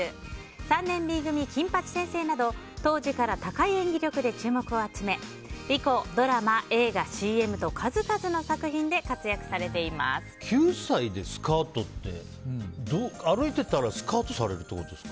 「３年Ｂ組金八先生」など当時から高い演技力で注目を集め以降、ドラマ、映画、ＣＭと数々の作品で９歳でスカウトって歩いてたらスカウトされるってことですか？